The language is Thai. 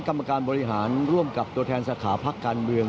กรรมการบริหารร่วมกับตัวแทนสาขาพักการเมือง